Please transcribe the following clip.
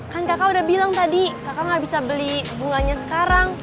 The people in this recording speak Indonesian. kan kakak udah bilang tadi kakak gak bisa beli bunganya sekarang